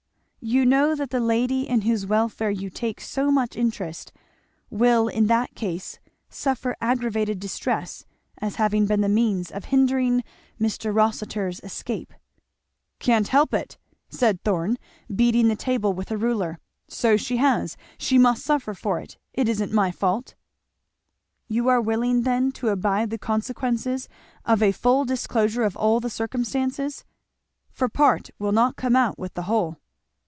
"You know that the lady in whose welfare you take so much interest will in that case suffer aggravated distress as having been the means of hindering Mr. Rossitur's escape," "Can't help it," said Thorn, beating the table with a ruler; "so she has; she must suffer for it. It isn't my fault." "You are willing then to abide the consequences of a full disclosure of all the circumstances? for part will not come out without the whole?"